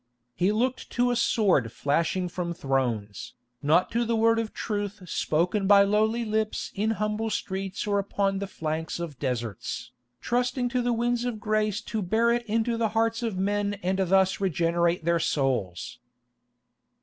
He looked to a sword flashing from thrones, not to the word of truth spoken by lowly lips in humble streets or upon the flanks of deserts, trusting to the winds of Grace to bear it into the hearts of men and thus regenerate their souls.